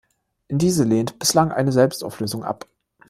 Diese lehnt bislang eine Selbstauflösung ab.